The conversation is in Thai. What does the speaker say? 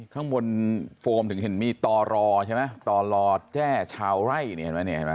ข้างบนโฟมถึงเห็นมีต่อรอใช่ไหมต่อรอแจ้ชาวไร่นี่เห็นไหม